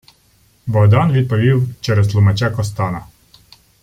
Богдан відповів через тлумача Костана: